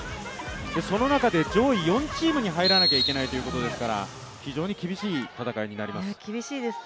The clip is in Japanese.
その中で上位４チームに入らなきゃいけないということですから非常に厳しい戦いになります。